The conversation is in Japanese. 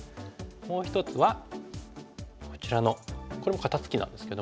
もう一つはこちらのこれも肩ツキなんですけども。